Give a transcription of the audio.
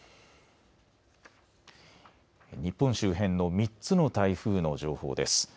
日本周辺の３つの台風の情報です。